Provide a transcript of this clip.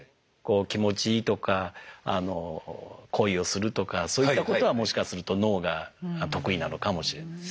気持ちいいとか恋をするとかそういったことはもしかすると脳が得意なのかもしれない。